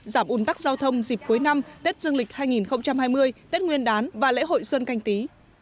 giảm ủn tắc giao thông dịp cuối năm tết dương lịch hai nghìn hai mươi tết nguyên đán và lễ hội xuân canh tí